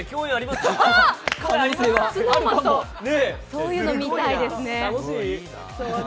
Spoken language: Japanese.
そういうの見たいですね。